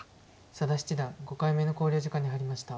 佐田七段５回目の考慮時間に入りました。